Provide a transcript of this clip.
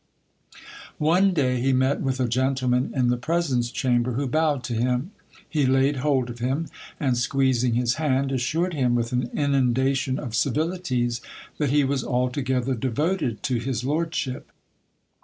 One day he met with a gentleman in the presence chamber who bowed to him. He laid hold of him, and squeezing his hand, assured him, with an inundation of civilities, that he was altogether devoted to his lordship.